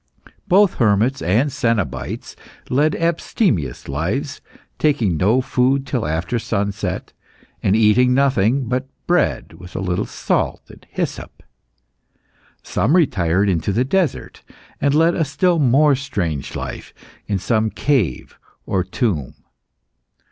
Both hermits and cenobites led abstemious lives, taking no food till after sunset, and eating nothing but bread with a little salt and hyssop. Some retired into the desert, and led a still more strange life in some cave or tomb.